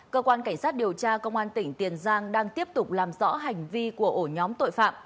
cơ quan cảnh sát điều tra công an tỉnh tiền giang đang tiếp tục làm rõ hành vi của ổ nhóm tội phạm